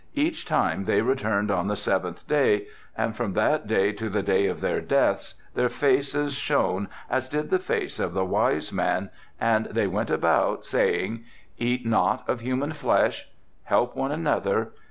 Each time they returned on the seventh day and from that day to the day of their deaths their faces shone as did the face of the wise man, and they went about saying: "Eat not of human flesh." "Help one another."